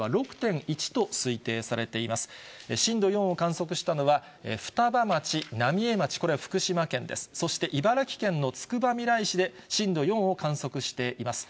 震度４を観測したのは、双葉町、浪江町、これは福島県です、そして茨城県のつくばみらい市で震度４を観測しています。